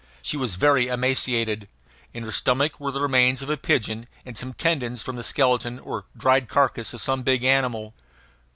She was very emaciated. In her stomach were the remains of a pigeon and some tendons from the skeleton or dried carcass of some big animal.